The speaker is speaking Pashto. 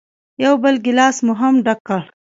یو بل ګیلاس مو هم ډک کړ.